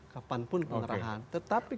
kapanpun pengerahan tetapi